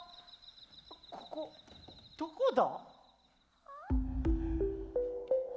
ここどこだ？